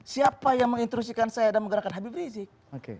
siapa yang menginterusikan saya dan menggerakkan habib rizieq